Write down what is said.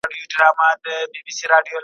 رښتيني انسان په تېرو وختونو کي ډېر صبر کاوه.